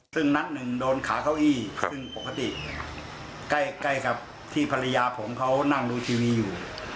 ซึ่งนัดหนึ่งโดนขาเก้าอี้ซึ่งปกติใกล้กับที่ภรรยาผมเขานั่งดูทีวีอยู่